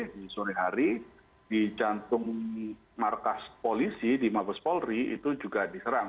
di sore hari di jantung markas polisi di mabes polri itu juga diserang